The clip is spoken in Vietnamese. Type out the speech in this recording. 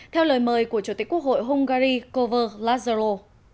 theo lời mời của chủ tịch quốc hội hungary kovács lazaro